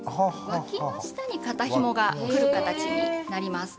わきの下に肩ひもがくる形になります。